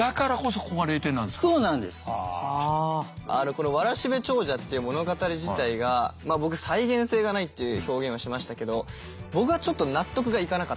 この「わらしべ長者」っていう物語自体が僕再現性がないって表現をしましたけど僕はちょっと納得がいかなかったんですよ。